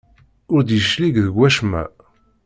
Ur d-yeclig deg wacemma.